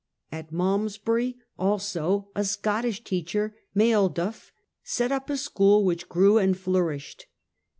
At Malmesbury also a Scottish teacher, Mailduf, set up a school, which grew and flourished.